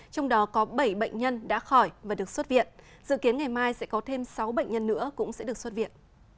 trong đó có bảy bệnh nhân đã khỏi và được xuất viện dự kiến ngày mai sẽ có thêm sáu bệnh nhân nữa cũng sẽ được xuất viện